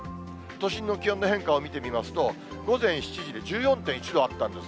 都心の気温の変化を見てみますと、午前７時で１４．１度あったんです。